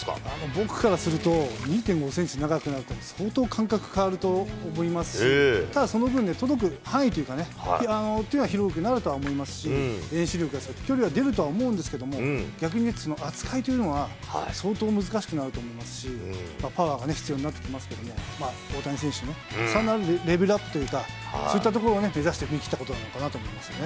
僕からすると、２．５センチ長くなると相当感覚変わると思いますし、ただその分、届く範囲というか、手は広くなるとは思いますし、遠心力が、距離は出ると思うんですけど、逆に言うとその扱いというのが相当難しくなると思いますし、パワーが必要になってきますけど、大谷選手、レベルアップというか、そういったところを目指してきたところなのかなと思いますね。